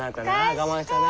我慢したな。